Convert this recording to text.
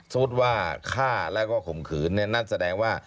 สมมุติว่าฆ่าแล้วก็ข่มขืนเนี่ยนั่นแสดงว่า